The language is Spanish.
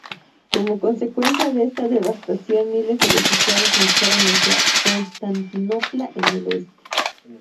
Como consecuencia de esta devastación, miles de refugiados marcharon hacia Constantinopla, en el Oeste.